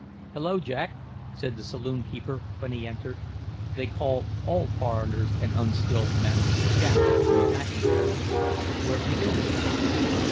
"Hello, Jack," said the saloon keeper, when he entered—they call all foreigners and unskilled men "Jack" in Packingtown. "Where've you been?"